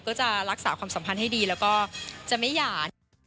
ก็จะรักษาความสัมพันธ์ให้ดีแล้วก็จะไม่หย่า